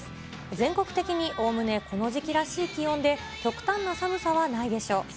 全国的におおむねこの時期らしい気温で、極端な寒さはないでしょう。